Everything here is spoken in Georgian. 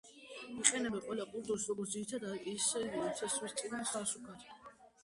იყენებენ ყველა კულტურის როგორც ძირითად, ისე თესვისწინა სასუქად.